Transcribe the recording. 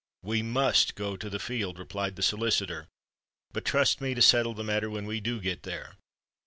"We must go to the field," replied the solicitor; "but trust to me to settle the matter when we do get there.